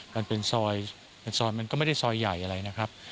มันเป็นซอยเป็นซอยมันก็ไม่ได้ซอยใหญ่อะไรนะครับ